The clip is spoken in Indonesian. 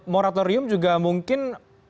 moratorium juga mungkin